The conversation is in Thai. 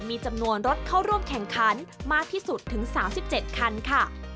มีจำนวนรถเข้าร่วมแข่งขันมากที่สุดถึง๓๗คันค่ะ